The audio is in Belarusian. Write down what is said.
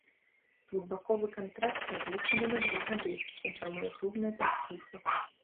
Двухбаковы кантракт разлічаны на два гады, інфармуе клубная прэс-служба.